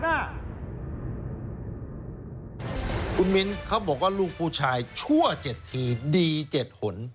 คุณมิ้นเขาบอกว่าลูกผู้ชายชั่ว๗ทีดี๗หน